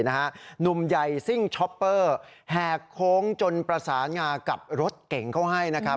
หนุ่มใหญ่สิ้งช็อเปอร์แหกโค้งจนประสานงากับรถเก๋งเข้าให้